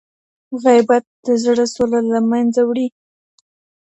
غیبت د زړه سوله له منځه وړي.